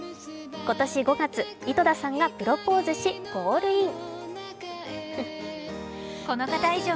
今年５月、井戸田さんがプロポーズしゴールイン。